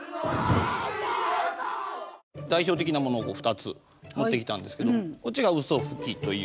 代表的なものを２つ持ってきたんですけどこっちがうそふきという。